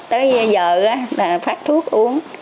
tới giờ phát thuốc uống